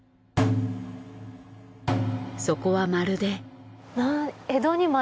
そこはまるで。